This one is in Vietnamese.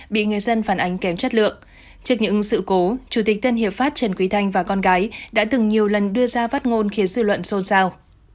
bị người dân phản ánh kém chất lượng trước những sự cố chủ tịch tân hiệp pháp trần quý thanh và con gái đã từng nhiều lần đưa ra phát ngôn khiến dư luận xôn xao